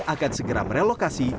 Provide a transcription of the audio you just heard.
akan segera merelokasi